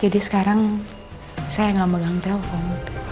jadi sekarang saya gak megang telpon